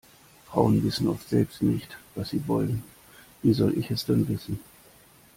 Frauen wissen oft selbst nicht, was sie wollen, wie soll ich es dann wissen?